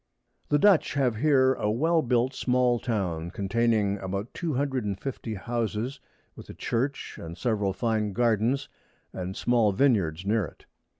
_] The Dutch have here a well built small Town, containing about two hundred and fifty Houses, with a Church, and several fine Gardens and small Vineyards near it.